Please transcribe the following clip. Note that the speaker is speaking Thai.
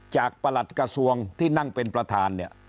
ประหลัดกระทรวงที่นั่งเป็นประธานเนี่ย